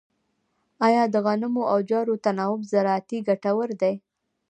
آیا د غنمو او جوارو تناوب زراعتي ګټور دی؟